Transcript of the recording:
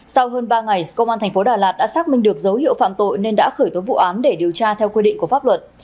sau hơn ba ngày công an thành phố đà lạt đã xác minh được dấu hiệu phạm tội nên đã khởi tố vụ án để điều tra theo quy định của pháp luật